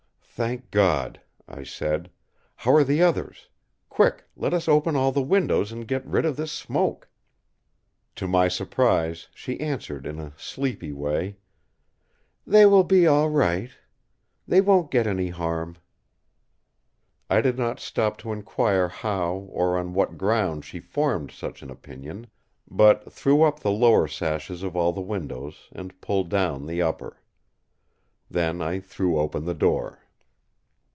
"Thank God!" I said. "How are the others? Quick, let us open all the windows and get rid of this smoke!" To my surprise, she answered in a sleepy way: "They will be all right. They won't get any harm." I did not stop to inquire how or on what ground she formed such an opinion, but threw up the lower sashes of all the windows, and pulled down the upper. Then I threw open the door.